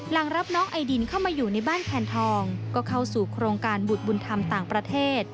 หลังรับน้องไอดินเข้ามาอยู่ในบ้านแคนทองก็เข้าสู่โครงการบุตรบุญธรรมต่างประเทศ